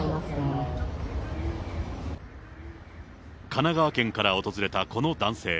神奈川県から訪れたこの男性。